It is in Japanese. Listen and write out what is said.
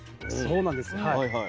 そうなんですはい。